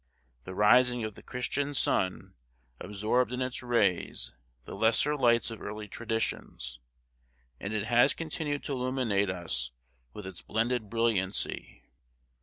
The rising of the Christian Sun absorbed in its rays the lesser lights of early traditions, and it has continued to illuminate us with its blended brilliancy.